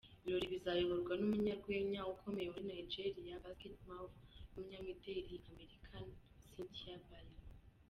Ibirori bizayoborwa n’umunyarwenya ukomeye muri Nigeria Basket Mouth n’umunyamideli American Cynthia Bailey.